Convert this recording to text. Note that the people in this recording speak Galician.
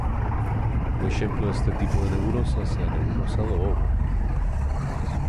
Un exemplo deste tipo de nebulosas é a Nebulosa do Ovo.